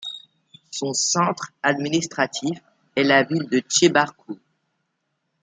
Son centre administratif est la ville de Tchebarkoul.